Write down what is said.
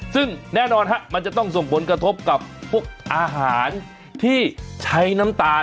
ซึ่งแน่นอนมันจะต้องส่งผลกระทบกับพวกอาหารที่ใช้น้ำตาล